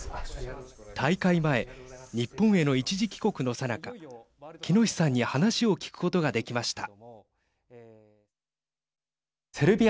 大会前日本への一時帰国のさなか喜熨斗さんに話を聞くことができました。